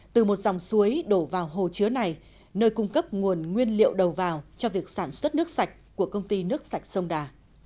từ một dòng suối đổ vào hồ chứa này nơi cung cấp nguồn nguyên liệu đầu vào cho việc sản xuất nước sạch của công ty nước sạch sông đà